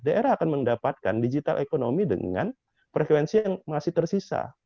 daerah akan mendapatkan digital ekonomi dengan frekuensi yang masih tersisa